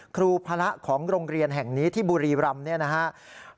ครูพระของโรงเรียนแห่งนี้ที่บุรีรำเนี่ยนะครับ